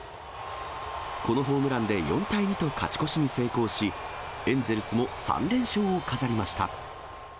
このホームランで、４対２と勝ち越しに成功し、エンゼルスも３連勝を飾りました。